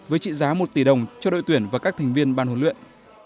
với trị giá một tỷ đồng cho đội tuyển và các thành viên ban huấn luyện